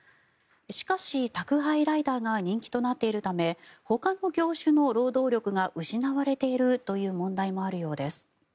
しかし、宅配ライダーが人気となっているためほかの業種の労働力が失われているという問題もあるようです。